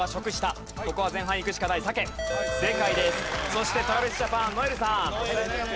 そしてＴｒａｖｉｓＪａｐａｎ如恵留さん。